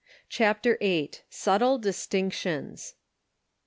CHAPTER Vin. SUBTLE DISTINCTIONS.